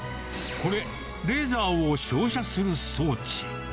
これ、レーザーを照射する装置。